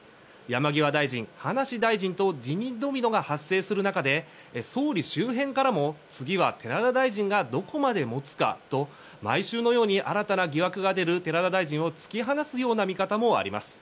山際大臣、葉梨大臣と辞任ドミノが発生する中で総理周辺からも次は寺田大臣がどこまで持つかと毎週のように新たな疑惑が出る寺田大臣を突き放すような見方もあります。